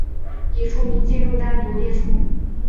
已除名建筑单独列出。